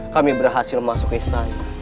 kami berhasil masuk istana